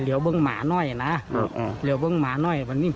พอวัวไปกินหญ้าอะไรเสร็จเรียบร้อยเสร็จเรียบร้อย